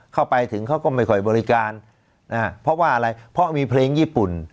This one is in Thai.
เข้าไปถึงเขาก็ไม่ค่อยบริการนะฮะเพราะว่าอะไรเพราะมีเพลงญี่ปุ่น